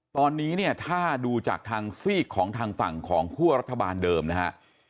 ตอนนี้เนี่ยถ้าดูจากทางซีกของทางฝั่งของคั่วรัฐบาลเดิมนะฮะ